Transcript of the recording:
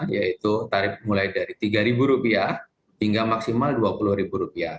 yaitu tarif mulai dari rp tiga hingga maksimal rp dua puluh